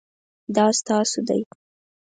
دا ستاسو دی؟